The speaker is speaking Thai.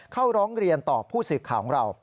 เข้าร้องเรียนต่อผู้สื่อข่าวของเรา